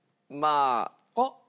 あっ！